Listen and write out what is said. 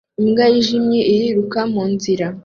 Imbwa yijimye iriruka mu nzira